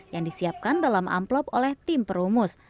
yang disiapkan dalam amplop oleh tim perumus